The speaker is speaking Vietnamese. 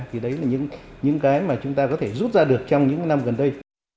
thì đấy là những cái mà chúng ta có thể rút ra được trong những năm gần đây